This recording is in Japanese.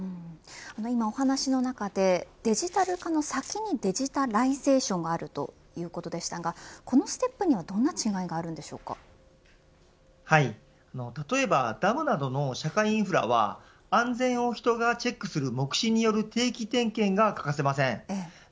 今、お話の中でデジタル化の先にデジタライゼーションがあるということでしたがこのステップには例えばダムなどの社会インフラは安全を人がチェックする目視による定期点検が欠かせません。